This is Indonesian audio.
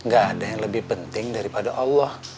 gak ada yang lebih penting daripada allah